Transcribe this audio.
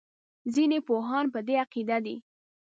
ځینې پوهان په دې عقیده دي.